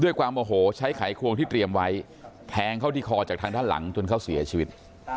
ความโอโหใช้ไขควงที่เตรียมไว้แทงเข้าที่คอจากทางด้านหลังจนเขาเสียชีวิต